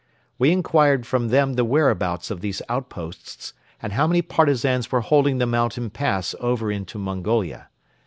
We inquired from them the whereabouts of these outposts and how many Partisans were holding the mountain pass over into Mongolia.